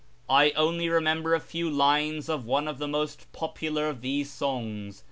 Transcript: I only remember a few lines of one of the most popular of these songs.